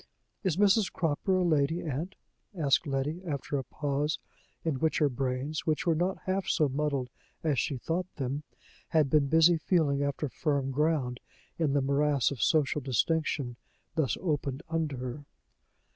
"Is Mrs. Cropper a lady, aunt?" asked Letty, after a pause, in which her brains, which were not half so muddled as she thought them, had been busy feeling after firm ground in the morass of social distinction thus opened under her.